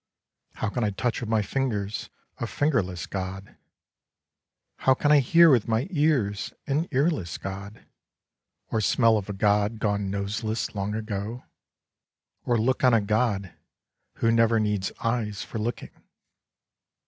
How can I touch with my fingers a fingerless God? How can I hear with my ears an earless God? Or smell of a God gone noseless long ago? Or look on a God who never needs eyes for looking?